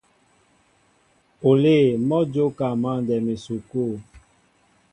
Olê mɔ́ a jóka mǎndɛm esukû.